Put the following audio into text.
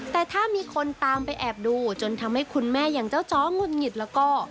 แต่ถ้ามีคนตามไปแอบดูจนทำให้คุณแม่อย่างเจ้าจ้องุดหงิดแล้วก็